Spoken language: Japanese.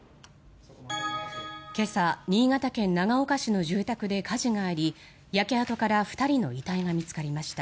今朝、新潟県長岡市の住宅で火事があり焼け跡から２人の遺体が見つかりました。